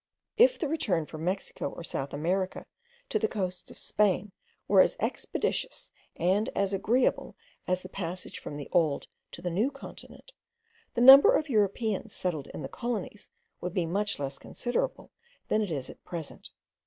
If the return from Mexico or South America to the coasts of Spain were as expeditious and as agreeable as the passage from the old to the new continent, the number of Europeans settled in the colonies would be much less considerable than it is at present.